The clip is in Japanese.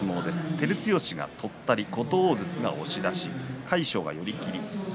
照強はとったり琴砲が押し出し魁勝が寄り切り颯